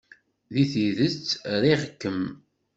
Deg tidet, riɣ-kem.